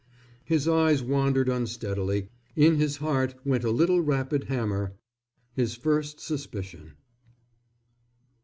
His eyes wandered unsteadily, in his heart went a little rapid hammer, his first suspicion.